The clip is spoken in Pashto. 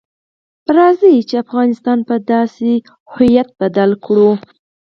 راځئ چې افغانستان په داسې هویت بدل کړو.